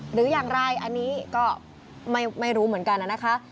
หรืออย่างไรอันนี้ก็ไม่รู้เหมือนกันนะคะ